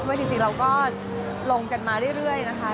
เพราะที่สิเราก็ลงกันมาเรื่อยนะคะ